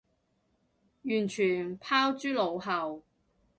完全拋諸腦後